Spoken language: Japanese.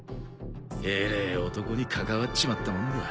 えれえ男に関わっちまったもんだ。